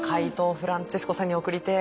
フランチェスコさんに送りてえ。